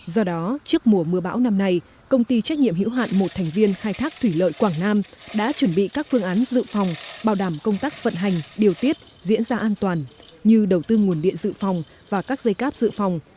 do đó trước mùa mưa bão năm nay công ty trách nhiệm hữu hạn một thành viên khai thác thủy lợi quảng nam đã chuẩn bị các phương án dự phòng bảo đảm công tác vận hành điều tiết diễn ra an toàn như đầu tư nguồn điện dự phòng và các dây cáp dự phòng